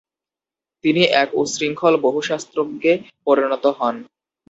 তিনি এক উচ্ছৃঙ্খল বহুশাস্ত্রজ্ঞে পরিণত হন।